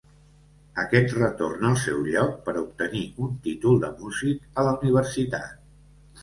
Aquest retorn al seu lloc per obtenir un títol de músic a la universitat.